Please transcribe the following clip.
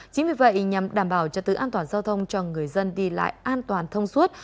chính vì vậy nhằm đảm bảo cho tứ an toàn giao thông cho người dân đi lại an toàn thông suốt